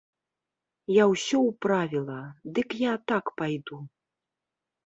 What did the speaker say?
Я ўсё ўправіла, дык я так пайду.